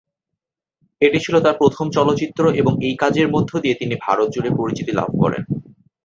এটি ছিল তার প্রথম চলচ্চিত্র এবং এই কাজের মধ্য দিয়ে তিনি ভারত জুড়ে পরিচিতি লাভ করেন।